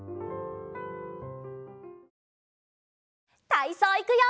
たいそういくよ！